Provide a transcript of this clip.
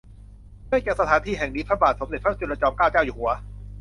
เนื่องจากสถานที่แห่งนี้พระบาทสมเด็จพระจุลจอมเกล้าเจ้าอยู่หัว